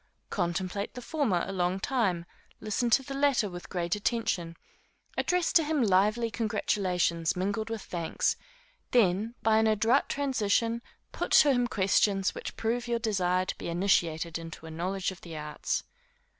Contemplate the former a long time; listen to the latter with great attention; address to him lively congratulations mingled with thanks; then, by an adroit transition, put to him questions which prove your desire to be initiated into a knowledge of the arts.